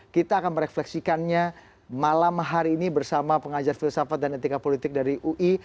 kita akan merefleksikannya malam hari ini bersama pengajar filsafat dan etika politik dari ui